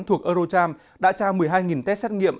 thuộc eurocharm đã trao một mươi hai test xét nghiệm